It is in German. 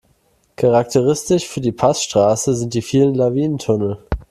Charakteristisch für die Passstraße sind die vielen Lawinentunnel.